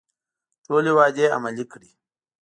ټولې وعدې عملي کړي.